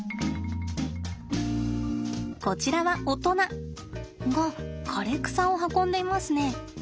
こちらは大人が枯れ草を運んでいますね。